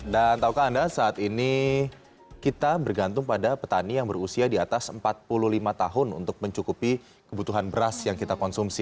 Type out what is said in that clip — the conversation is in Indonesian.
dan taukah anda saat ini kita bergantung pada petani yang berusia di atas empat puluh lima tahun untuk mencukupi kebutuhan beras yang kita konsumsi